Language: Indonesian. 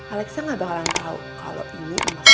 alexa gak bakalan tau kalo ini emas palsu